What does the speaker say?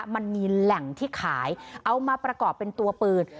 มันมีแหล่งที่ขายเอามาประกอบเป็นตัวปืน